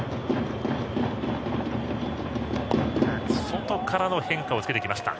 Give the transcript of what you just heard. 外からの変化をつけてきた。